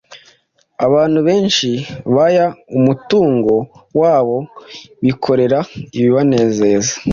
Abantu benshi baya umutungo wabo bikorera ibibanezeza.